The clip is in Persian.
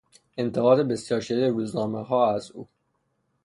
انتقادات بسیار شدید روزنامهها از او